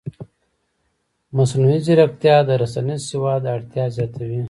مصنوعي ځیرکتیا د رسنیز سواد اړتیا زیاتوي.